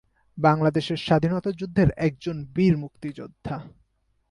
বাংলাদেশের স্বাধীনতা যুদ্ধের একজন বীর মুক্তিযোদ্ধা।